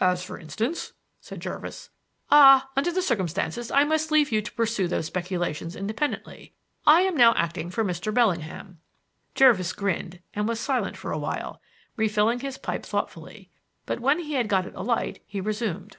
"As, for instance," said Jervis. "Ah, under the circumstances, I must leave you to pursue those speculations independently. I am now acting for Mr. Bellingham." Jervis grinned and was silent for a while, refilling his pipe thoughtfully; but when he had got it alight he resumed.